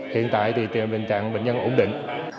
hiện tại thì tình hình bệnh nhân ổn định